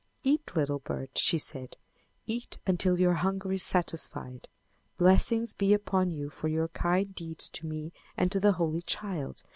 "Eat, little bird," she said. "Eat until your hunger is satisfied. Blessings be upon you for your kind deeds to me and to the Holy Child.